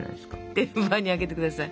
天板にあげて下さい。